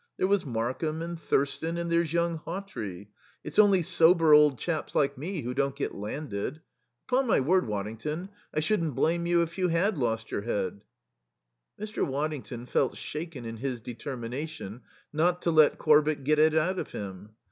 There was Markham, and Thurston, and there's young Hawtrey. It's only sober old chaps like me who don't get landed.... Upon my word, Waddington, I shouldn't blame you if you had lost your head." Mr. Waddington felt shaken in his determination not to let Corbett get it out of him.